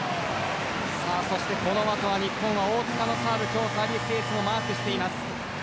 そしてこの後日本は大塚のサーブ今日サービスエースをマークしています。